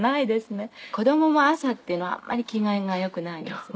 子供も朝っていうのはあんまり機嫌がよくないんです。